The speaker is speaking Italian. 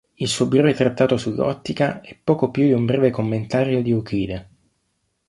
Il suo breve trattato sull'ottica è poco più di un breve commentario di Euclide.